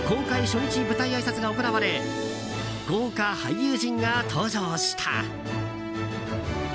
初日舞台あいさつが行われ豪華俳優陣が登場した。